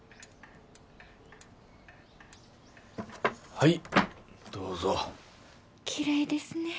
はいどうぞきれいですね